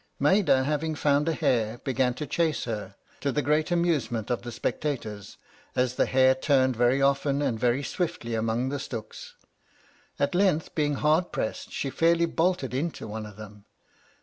Maida having found a hare, began to chase her, to the great amusement of the spectators, as the hare turned very often and very swiftly among the stooks. At length, being hard pressed, she fairly bolted into one of them.